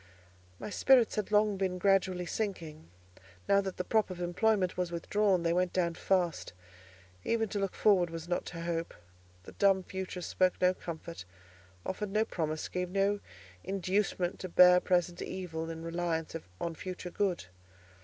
My spirits had long been gradually sinking; now that the prop of employment was withdrawn, they went down fast. Even to look forward was not to hope: the dumb future spoke no comfort, offered no promise, gave no inducement to bear present evil in reliance on future good.